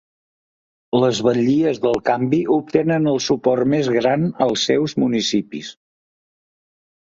Les batllies del canvi obtenen el suport més gran als seus municipis.